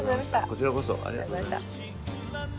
こちらこそ。